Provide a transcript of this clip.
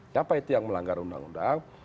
siapa itu yang melanggar undang undang